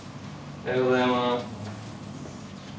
おはようございます。